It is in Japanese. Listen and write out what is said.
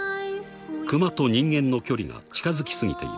［クマと人間の距離が近づき過ぎている］